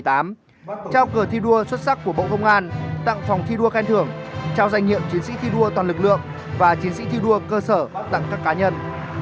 trao cờ thi đua xuất sắc của bộ công an tặng phòng thi đua khen thưởng trao danh hiệu chiến sĩ thi đua toàn lực lượng và chiến sĩ thi đua cơ sở tặng các cá nhân